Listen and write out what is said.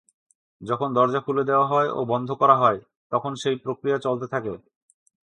যখন দরজা খুলে দেওয়া হয় ও বন্ধ করা হয়, তখন সেই প্রক্রিয়া চলতে থাকে।